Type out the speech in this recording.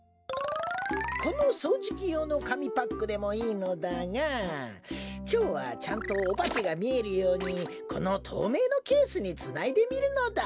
このそうじきようのかみパックでもいいのだがきょうはちゃんとおばけがみえるようにこのとうめいのケースにつないでみるのだ。